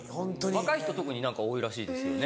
若い人特に何か多いらしいですよね。